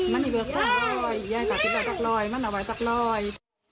มันมีเวิร์คสักร้อยมันเอาไว้สักร้อย